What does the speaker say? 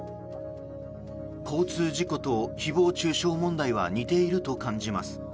交通事故と誹謗・中傷問題は似ていると感じます。